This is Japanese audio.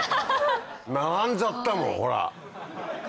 並んじゃったもんほら。